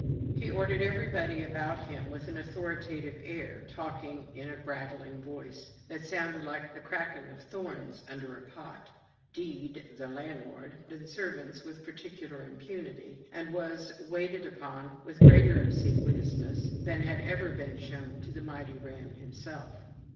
He ordered everybody about him with an authoritative air; talking in a brattling voice, that sounded like the crackling of thorns under a pot; d — d the landlord and servants with perfect impunity, and was waited upon with greater obsequiousness than had ever been shown to the mighty Ramm himself.